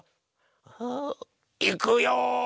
いくよ。